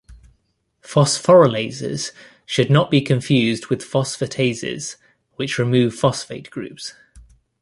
Phosphorylases should not be confused with phosphatases, which remove phosphate groups.